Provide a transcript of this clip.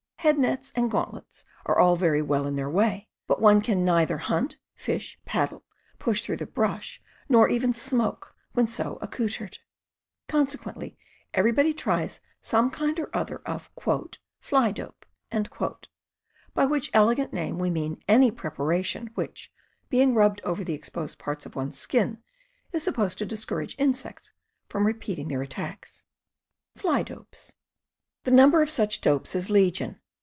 Head nets and gauntlets are all very well in their way, but one can neither hunt, fish, paddle, push through the brush, nor even smoke, when so accoutered. Con sequently everybody tries some kind or other of "fly dope," by which elegant name we mean any prepara tion which, being rubbed over the exposed parts of one's skin, is supposed to discourage insects from repeating their attacks. p, Pj The number of such dopes is legion.